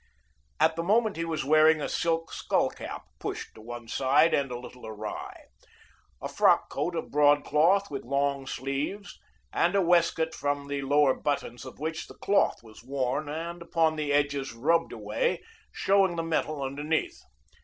At the moment he was wearing a silk skull cap, pushed to one side and a little awry, a frock coat of broadcloth, with long sleeves, and a waistcoat from the lower buttons of which the cloth was worn and, upon the edges, rubbed away, showing the metal underneath.